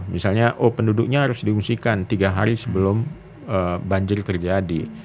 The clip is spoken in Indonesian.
misalnya oh penduduknya harus diungsikan tiga hari sebelum banjir terjadi